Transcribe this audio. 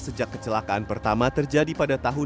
sejak kecelakaan pertama terjadi pada tahun dua ribu